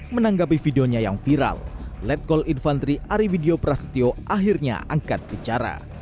menanggapi videonya yang viral letkol infantri ariwidyo prasetyo akhirnya angkat bicara